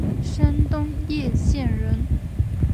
山东掖县人。